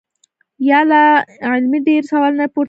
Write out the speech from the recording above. يا لا علمۍ ډېر سوالونه پورته کيږي -